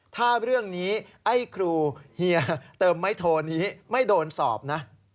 ถ้าเรื่องนี้ไอ้ครูเฮียเติมไม้โทนี้ไม่โดนสอบนะ